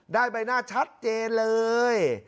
ใบหน้าชัดเจนเลย